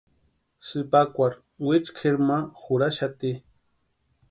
Sïpakwarhi wichu kʼeri ma jurhaxati.